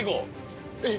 えっ！